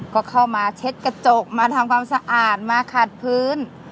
ก็เข้ามาเช็ดกระจกมาทำความสะอาดมาขัดพื้น